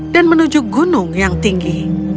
dan menuju gunung yang tinggi